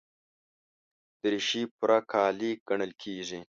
دریشي پوره کالي ګڼل کېږي.